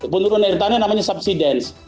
penurunan air tanah namanya subsidence